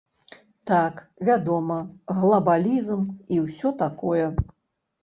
Так, вядома, глабалізм і ўсё такое.